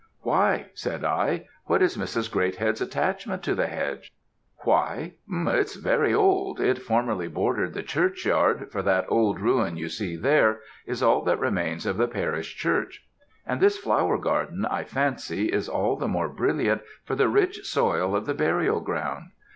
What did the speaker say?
"'Why?' said I. 'What is Mrs. Greathead's attachment to the hedge?' "'Why? it's very old; it formerly bordered the churchyard, for that old ruin you see there, is all that remains of the parish church; and this flower garden, I fancy, is all the more brilliant for the rich soil of the burial ground.